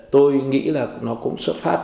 tôi nghĩ là nó cũng xuất phát